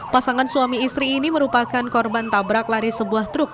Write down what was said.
pasangan suami istri ini merupakan korban tabrak lari sebuah truk